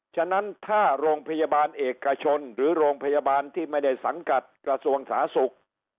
ฉะนั้นถ้าโรงพยาบาลเอกชนหรือโรงพยาบาลที่ไม่ได้สังกัดกระทรวงสาธารณสุข